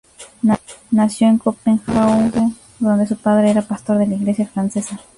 Nació en Copenhague, donde su padre era pastor de la iglesia francesa.